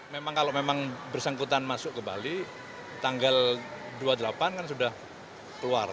memang kalau memang bersangkutan masuk ke bali tanggal dua puluh delapan kan sudah keluar